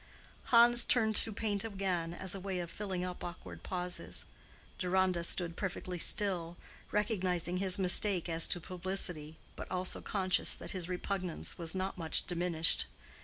Hans turned to paint again as a way of filling up awkward pauses. Deronda stood perfectly still, recognizing his mistake as to publicity, but also conscious that his repugnance was not much diminished.